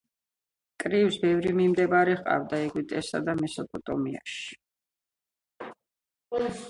კრივს ბევრი მიმდევარი ჰყავდა ეგვიპტესა და მესოპოტამიაში.